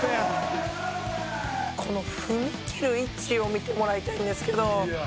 「この踏み切る位置を見てもらいたいんですけど」